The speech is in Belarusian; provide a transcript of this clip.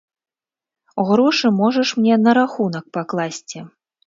Грошы можаш мне на рахунак пакласці.